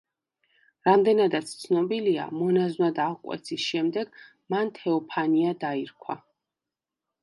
რამდენადაც ცნობილია, მონაზვნად აღკვეცის შემდეგ მან თეოფანია დაირქვა.